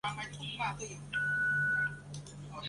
东氏艳拟守瓜为金花虫科艳拟守瓜属下的一个种。